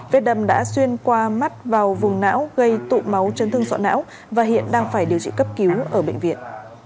vết đâm đã xuyên qua mắt vào vùng não gây tụ máu chấn thương sọ não và hiện đang phải điều trị cấp cứu ở bệnh viện